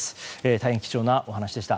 大変貴重なお話でした。